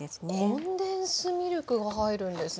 コンデンスミルクが入るんですね。